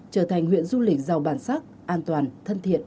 trở thành huyện du lịch giàu bản sắc an toàn thân thiện